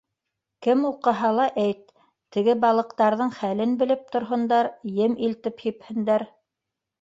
Кем уҡыһа ла әйт: теге балыҡтарҙың хәлен белеп торһондар, ем илтеп һипһендәр.